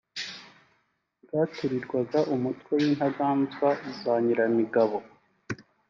bwaturirwaga umutwe w’Intaganzwa za Nyirimigabo